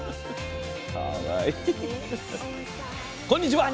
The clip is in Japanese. こんにちは。